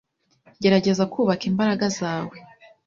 Gerageza kubaka imbaraga zawe.